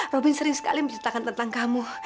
robin sering sekali menceritakan tentang kamu